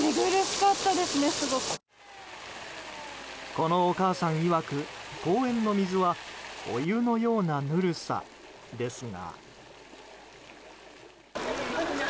このお母さん曰く、公園の水はお湯のようなぬるさですが。